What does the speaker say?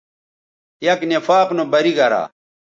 یک نفاق نو بری گرا